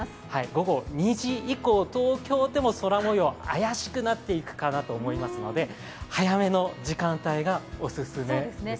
午後、２時以降、東京でも空もよう怪しくなっていきますので早めの時間帯がおすすめですよね。